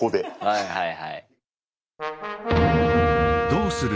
はいはいはい。